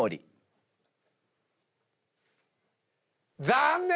残念！